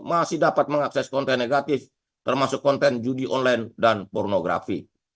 masih dapat mengakses konten negatif termasuk konten judi online dan pornografi